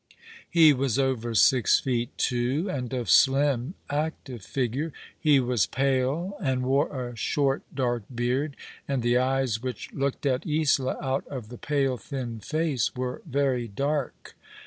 He was over six feet two and of slim, active figure. He was pale. 8 All alo7ig the River. and wore a sliort, dark beard, and the eyes which looked at Isola out of the pale, thin face were very dark.